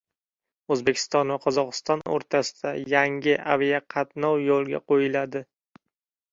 O‘zbekiston va Qozog‘iston o‘rtasida yangi aviaqatnov yo‘lga qo‘yiladi